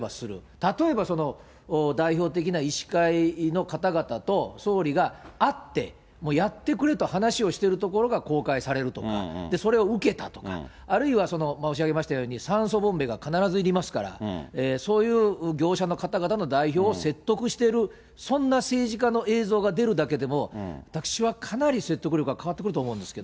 例えば、代表的な医師会の方々と総理が会って、もうやってくれと話をしているところが公開されるとか、それを受けたとか、あるいは申し上げましたように、酸素ボンベが必ずいりますから、そういう業者の方々の代表を説得している、そんな政治家の映像が出るだけでも、私はかなり説得力が変わってくると思うんですけど。